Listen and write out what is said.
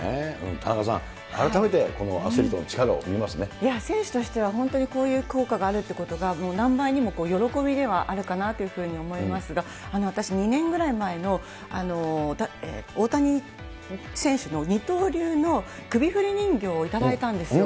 田中さん、改めて、アスリートの選手としては、本当にこういう効果があるということが、何倍にも喜びではあるかなというふうに思いますが、私、２年ぐらい前の大谷選手の二刀流の首振り人形を頂いたんですよ。